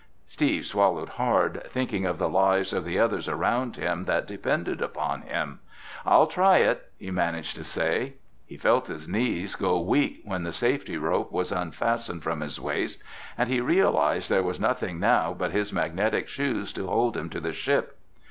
Steve swallowed hard, thinking of the lives of the others around him that depended upon him. "I'll try it," he managed to say. He felt his knees go weak when the safety rope was unfastened from his waist and he realized there was nothing now but his magnetic shoes to hold him to the ship.